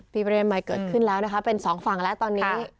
มีประเด็นใหม่เกิดขึ้นแล้วนะคะเป็นสองฝั่งแล้วตอนนี้